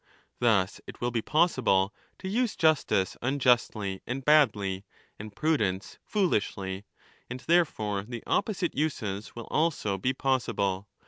^ Thus it will be possible to use justice unjustly*^ and badly, and prudence foolishly — and therefore the opposite uses will also be possible.